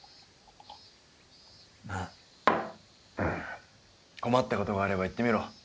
まぁ困ったことがあれば言ってみろ。